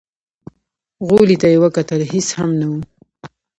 غولي ته يې وکتل، هېڅ هم نه و.